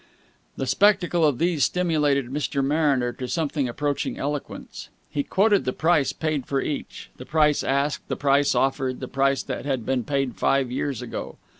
The spectacle of these stimulated Mr. Mariner to something approaching eloquence. He quoted the price paid for each, the price asked, the price offered, the price that had been paid five years ago.